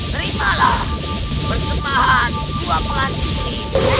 terimalah persembahan dua pelan ini